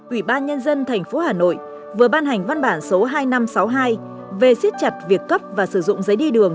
ủy ban nhân dân tp hà nội vừa ban hành văn bản số hai nghìn năm trăm sáu mươi hai về siết chặt việc cấp và sử dụng giấy đi đường